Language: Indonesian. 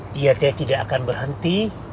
dia dia tidak akan berhenti